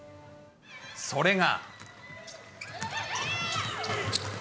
それが。